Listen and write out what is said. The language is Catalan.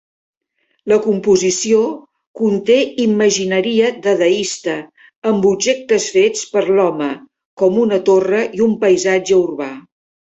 La composició conté imatgeria dadaista amb objectes fets per l"home, com una torre i un paisatge urbà.